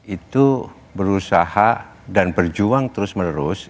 itu berusaha dan berjuang terus menerus